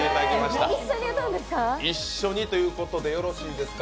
一緒にということでよろしいんですか？